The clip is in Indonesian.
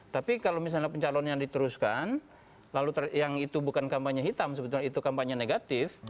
tapi kalau misalnya pencalonnya diteruskan lalu yang itu bukan kampanye hitam sebetulnya itu kampanye negatif